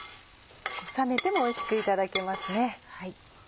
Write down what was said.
冷めてもおいしくいただけますね。